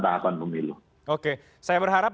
tahapan pemilu oke saya berharap